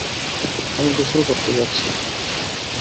আমি গোসল করতে যাচ্ছি।